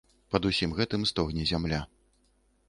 Пад усім гэтым стогне зямля.